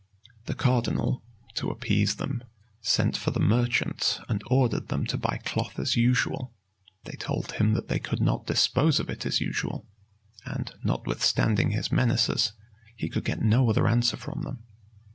The cardinal, to appease them, sent for the merchants, and ordered them to buy cloth as usual: they told him that they could not dispose of it as usual; and, notwithstanding his menaces, he could get no other answer from them.